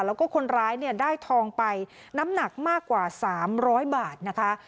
แล้วก็คนร้ายเนี่ยได้ทองไปน้ำหนักมากกว่า๓๐๐บาทนะคะ